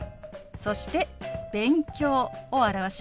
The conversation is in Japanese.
そして「勉強」を表します。